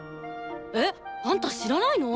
えっあんた知らないの！？